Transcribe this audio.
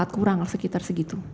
kurang sekitar segitu